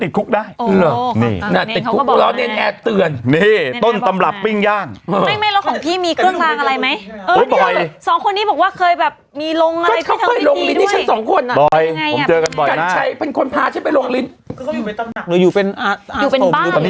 อยู่เป็นบ้านหรือเป็นอะไรอ่ะพี่